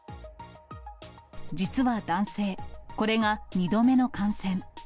実は男性、これが２度目の感染。